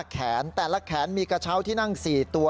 แขนแต่ละแขนมีกระเช้าที่นั่ง๔ตัว